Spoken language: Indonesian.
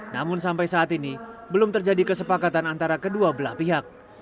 namun sampai saat ini belum terjadi kesepakatan antara kedua belah pihak